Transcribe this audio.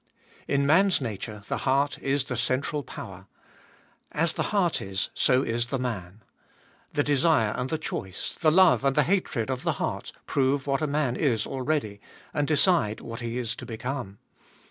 In man's nature the heart is the central power. As the heart is so is the man. The desire and the choice, the love and the hatred of the heart prove what a man is already, and decide what he is to become.